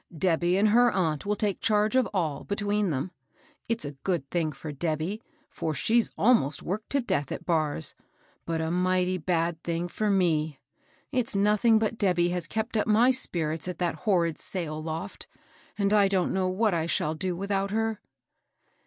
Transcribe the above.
Debby and her aunt will take charge of all, between them. It's a good thing for Debby, for she's almost worked to death at 's, but a mighty bad thing for me. It's nothing but Debby has kept up my spirits at that horrid sail loft, and I don't know what I shall do without her."